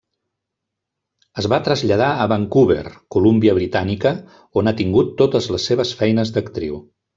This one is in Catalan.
Es va traslladar a Vancouver, Colúmbia Britànica, on ha tingut totes les seves feines d'actriu.